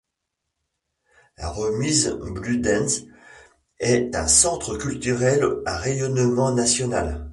La Remise Bludenz est un centre culturel à rayonnement national.